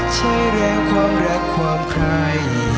ใช่แล้วความรักความใคร